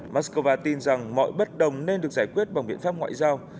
mắc cơ va tin rằng mọi bất đồng nên được giải quyết bằng biện pháp ngoại giao